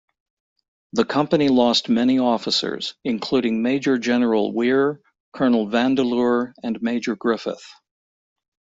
The Company lost many officers, including Major General Weir, Colonel Vandeleur, and Major Griffith.